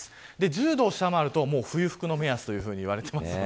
１０度を下回ると冬服の目安といわれています。